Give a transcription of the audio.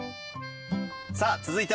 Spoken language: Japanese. さあ続いては？